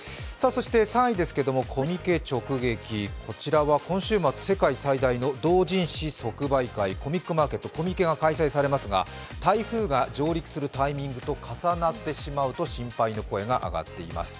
３位ですけれども、コミケ直撃こちらは今週末、世界最大の同人誌即売会コミックマーケット、コミケが開催されますが、台風が上陸するタイミングと重なってしまうと心配の声が上がっています。